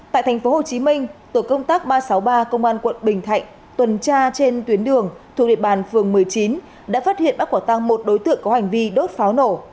tại thành phố hồ chí minh tổ công tác ba trăm sáu mươi ba công an quận bình thạnh tuần tra trên tuyến đường thuộc địa bàn phường một mươi chín đã phát hiện bác quả tăng một đối tượng có hành vi đốt pháo nổ